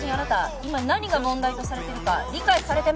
今何が問題とされているか理解されてますか？